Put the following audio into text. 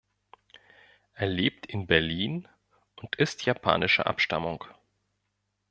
Er lebt in Berlin und ist japanischer Abstammung.